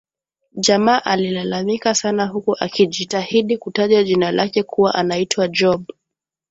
Jamaa alilalamika sana huku akijitahidi kutaja jina lake kuwa anaitwa Job